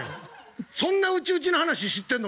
そんな内々の話知ってんの？